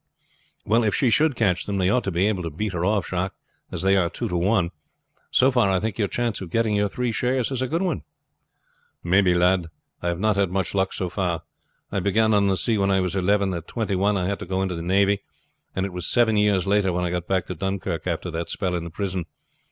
"Well, if she should catch them, they ought to be able to beat her off, Jacques, as they are two to one. So far I think your chance of getting your three shares is a good one." "Maybe, lad. I have not had much luck so far. I began on the sea when I was eleven. At twenty one I had to go into the navy, and it was seven years later when I got back to Dunkirk after that spell in the prison.